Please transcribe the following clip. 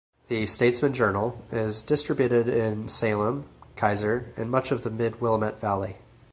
The "Statesman Journal" is distributed in Salem, Keizer, and much of the mid-Willamette Valley.